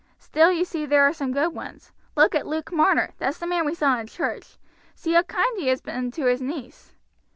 Still you see there are some good ones; look at Luke Marner, that's the man we saw in church, see how kind he has been to his niece."